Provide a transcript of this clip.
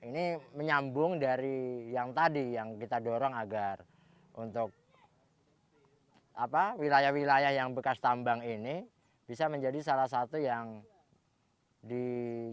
nah ini menyambung dari yang tadi yang kita dorong agar untuk apa wilayah wilayah yang bekas tambang ini bisa menjadi satu satu yang dijelaskan oleh ilayah wilayah